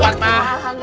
kuat kuat kuat